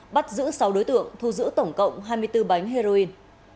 bắt giữ sáu đối tượng thu giữ tổng cộng hai mươi bốn bánh heroin